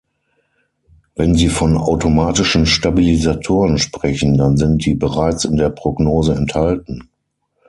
Wenn Sie von automatischen Stabilisatoren sprechen, dann sind die bereits in der Prognose enthalten.